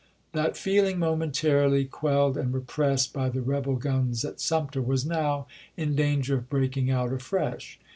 That feehng, momentarily quelled and repressed by the rebel guns at Sumter, was now in danger of breaking out afresh.